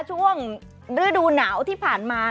ช่วงฤดูหนาวที่ผ่านมา